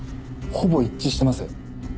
ほぼ一致してます。